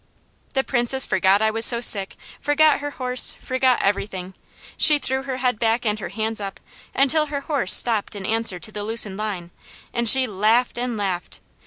The Princess forgot I was so sick, forgot her horse, forgot everything. She threw her head back and her hands up, until her horse stopped in answer to the loosened line, and she laughed and laughed.